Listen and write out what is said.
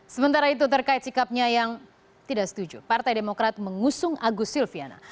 sementara itu terkait sikapnya yang tidak setuju partai demokrat mengusung agus silviana